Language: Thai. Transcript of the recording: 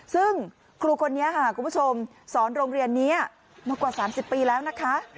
ซึ่งครูคนนี้ค่ะคุณผู้ชมสอนโรงเรียนนี้มากว่า๓๐ปีแล้วนะคะ